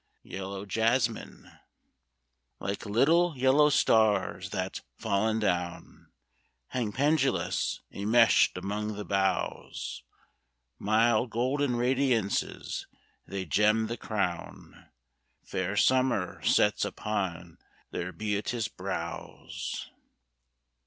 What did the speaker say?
Yellow Jessamine Like little yellow stars that, fallen down, Hang pendulous, enmeshed among the boughs, Mild golden radiances they gem the crown Fair Summer sets upon her beauteous brows.